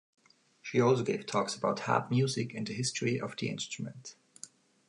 She also gave talks about harp music and the history of the instrument.